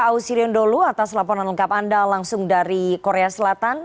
ausirion dholu atas laporan lengkap anda langsung dari korea selatan